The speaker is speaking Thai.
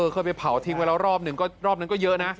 เคยไปเผาทิ้งไว้แล้วรอบนึงก็เยอะนะ